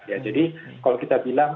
ya jadi kalau kita bilang